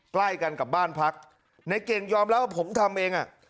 ใกล้กันกับบ้านพักในเก่งยอมรับว่าผมทำเองอ่ะ